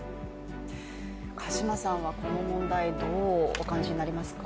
鹿島さんはこの問題、どうお感じになりますか？